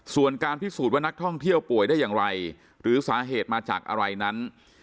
ส่วนการพิสูจน์ว่านักท่องเที่ยวป่วยได้อย่างไรหรือสาเหตุมาจากอะไรนั้น